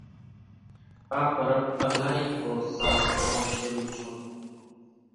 آ پرٻ الائي ۿو سال مور شرو ڇون تون